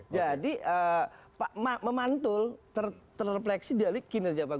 jadi pak memantul terrefleksi dari kinerja pak gubernur